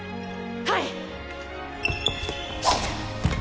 はい！